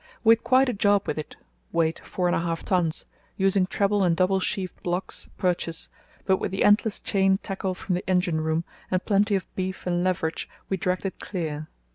We had quite a job with it (weight, four and a half tons), using treble and double sheaved blocks purchase, but with the endless chain tackle from the engine room, and plenty of 'beef' and leverage, we dragged it clear.